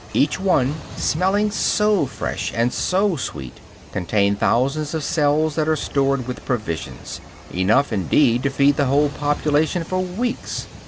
Each one, smelling so fresh and so sweet, contains thousands of cells that are stored with provisions; enough, indeed, to feed the whole population for weeks.